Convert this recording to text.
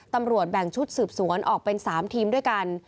แบ่งชุดสืบสวนออกเป็น๓ทีมด้วยกัน